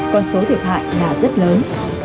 con số thiệt hại là rất lớn